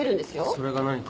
それが何か？